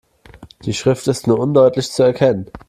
Die Schrift ist nur undeutlich zu erkennen.